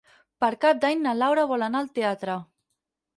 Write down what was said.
Per Cap d'Any na Laura vol anar al teatre.